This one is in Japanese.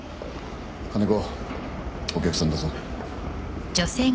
金子お客さんだぞ。